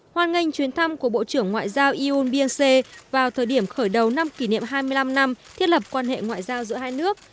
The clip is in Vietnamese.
hoan nghênh chuyến thăm của bộ trưởng ngoại giao eu biên sê vào thời điểm khởi đầu năm kỷ niệm hai mươi năm năm thiết lập quan hệ ngoại giao giữa hai nước